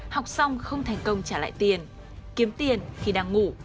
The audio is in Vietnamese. học xong không thành công trả lại tiền kiếm tiền khi đang ngủ